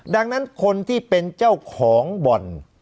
ดังนั้นคนที่เป็นเจ้าของบ่อน